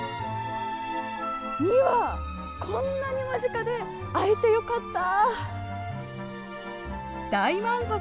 ２羽、こんなに間近で会えてよかった。